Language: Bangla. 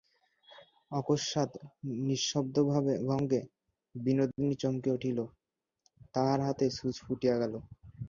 অকসমাৎ নিঃশব্দতাভঙ্গে বিনোদিনী চমকিয়া উঠিল–তাহার হাতে ছুঁচ ফুটিয়া গেল।